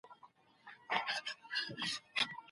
دا د بزګرانو د زیار پایله ده.